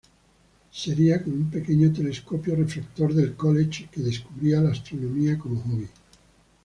Sería con un pequeño telescopio refractor del "College" que descubría la astronomía como hobby.